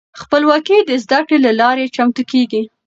خپلواکې د زده کړې له لارې چمتو کیږي.